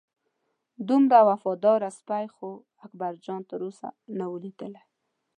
دومره وفاداره سپی خو اکبرجان تر اوسه نه و لیدلی.